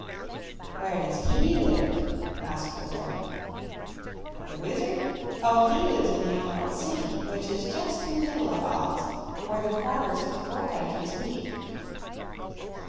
"Where does HE live?" asked the boy. "The Wizard? Oh, he lives in the Emerald City, which is just in the middle of Oz, where the corners of the four countries meet."